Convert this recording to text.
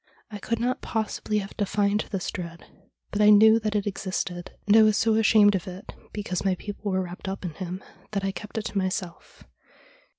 I could not possibly have defined this dread, but I knew that it existed, and I was so ashamed of it, because my people were wrapped up in him, that I kept it to myself.